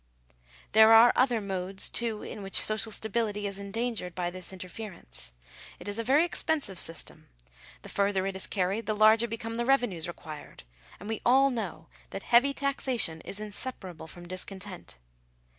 There are other modes, too, in which social stability is en dangered by this interference system. It is a very expensive system : the further it is carried, the larger become the revenues required : and we all know thati heavy taxation is inseparable from discontent.